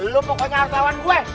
lo pokoknya artawan gue